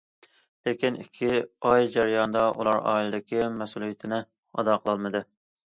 لېكىن ئىككى ئاي جەريانىدا ئۇلار ئائىلىدىكى مەسئۇلىيىتىنى ئادا قىلالمىدى.